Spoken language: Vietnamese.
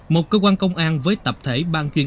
một cơ quan công an với tập thể ban chuyên án